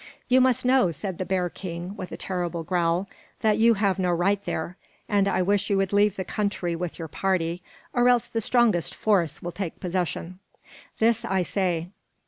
"You must know," said the bear king with a terrible growl, "that you have no right there, and I wish you would leave the country with your party, or else the strongest force will take possession. This I say."